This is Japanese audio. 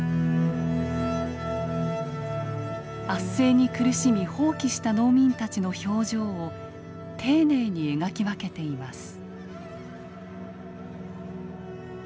圧政に苦しみ蜂起した農民たちの表情を丁寧に描き分けています。